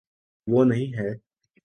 وہ نہیں ہے۔